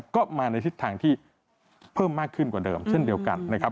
ก็มาในทิศทางที่เพิ่มมากขึ้นกว่าเดิมเช่นเดียวกันนะครับ